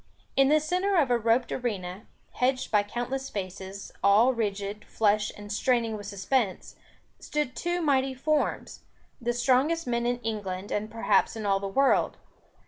In the centre of a roped arena, hedged by countless faces, all rigid, flushed, and straining with suspense, stood two mighty forms; the strongest men in England and perhaps in all the world.